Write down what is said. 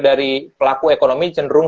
dari pelaku ekonomi cenderung